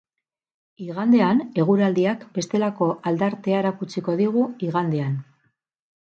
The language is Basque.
Igandean, eguraldiak bestelako aldartea erakutsiko digu igandean.